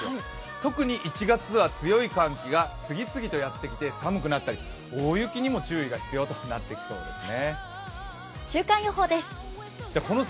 特に１月は強い寒気が次々とやってきて寒くなったり大雪にも注意が必要となってきそうですね。